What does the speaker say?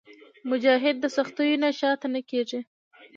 مجاهد د سختیو نه شاته نه کېږي.